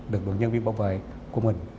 lực lượng nhân viên bảo vệ của mình